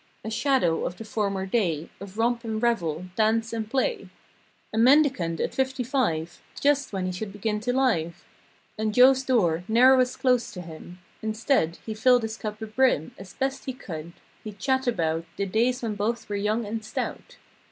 A shadow of the former day Of romp and revel; dance and play. A mendicant at fifty five! Just when he should begin to live. And Joe's door ne'er was closed to him— Instead, he filled his cup a brim As best he could. He'd chat about The days when both were young and stout.